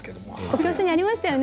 教室にありましたよね